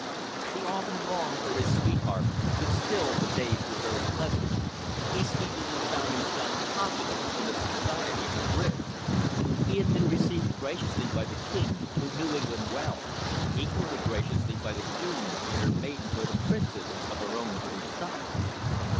He often longed for his sweetheart, but still the days were very pleasant. He speedily found himself popular in the society of Madrid. He had been received graciously by the King, who knew England well, equally graciously by the Queen, in her maidenhood a Princess of our own British stock.